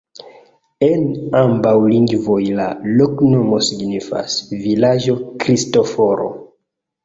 En ambaŭ lingvoj la loknomo signifas: vilaĝo Kristoforo.